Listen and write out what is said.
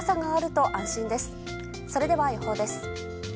それでは、予報です。